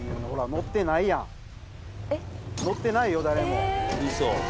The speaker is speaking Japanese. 乗ってないよ誰も。